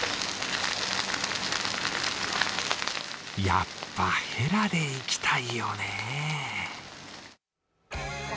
やっぱヘラでいきたいよね。